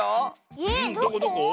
えっどこ？